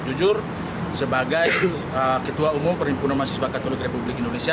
jujur sebagai ketua umum perhimpunan mahasiswa katolik republik indonesia